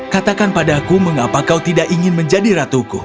katakan padaku mengapa kau tidak ingin menjadi ratuku